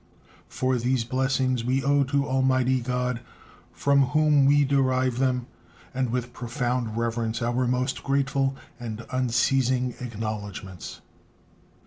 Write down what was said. For these blessings we owe to Almighty God, from whom we derive them, and with profound reverence, our most grateful and unceasing acknowledgments.